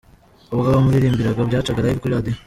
Ubwo bamuririmbiraga byacaga live kuri radio.